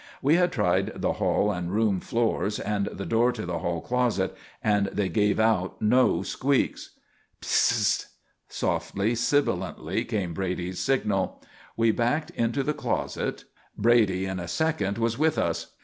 We had tried the hall and room floors and the door to the hall closet and they gave out no squeaks. "Psst!" Softly, sibilantly, came Brady's signal. We backed into the closet. Brady in a second was with us.